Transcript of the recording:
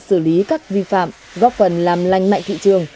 xử lý các vi phạm góp phần làm lành mạnh thị trường